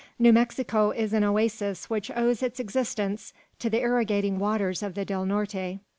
New Mexico is an oasis which owes its existence to the irrigating waters of the Del Norte.